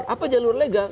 apa jalur legal